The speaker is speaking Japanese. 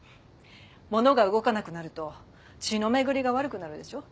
物が動かなくなると血の巡りが悪くなるでしょう？